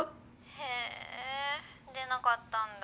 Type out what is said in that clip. へえ出なかったんだ？